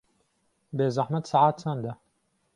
بێزەحمەت سەعات چەندە؟